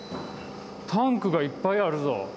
タンクがいっぱいあるぞ。